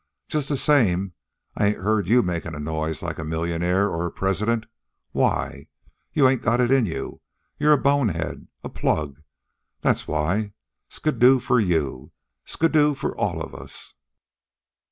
Just the same I ain't heard you makin' a noise like a millionaire or a president. Why? You ain't got it in you. You're a bonehead. A plug. That's why. Skiddoo for you. Skiddoo for all of us."